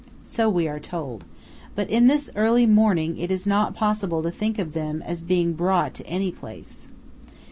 So we are told. But in this early morning it is not possible to think of them as being brought to any place.